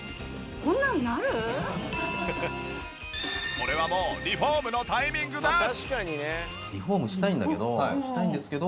これはもうリフォームのタイミングです。